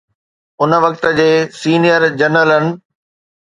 ان وقت جي سينيئر جنرلن.